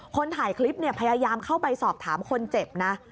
คนถ่ายคลิปเนี่ยพยายามเข้าไปสอบถามคนเจ็บนะ